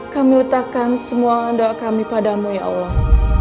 kami letakkan semua doa kami padamu ya allah